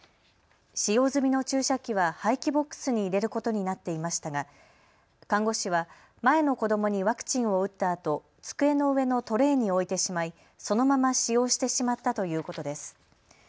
使用済みの注射器は廃棄ボックスに入れることになっていましたが看護師は前の子どもにワクチンを打ったあと机の上のトレーに置いてしまいそのまま使用してしまったということです。